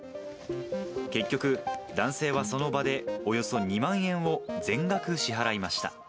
結局、男性はその場でおよそ２万円を、全額支払いました。